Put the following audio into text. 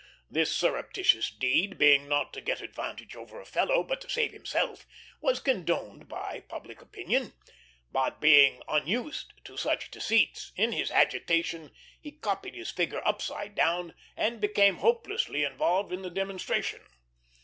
This surreptitious deed, being not to get advantage over a fellow, but to save himself, was condoned by public opinion; but, being unused to such deceits, in his agitation he copied his figure upside down and became hopelessly involved in the demonstration.